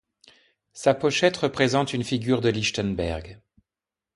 Sa pochette représente une figure de Lichtenberg.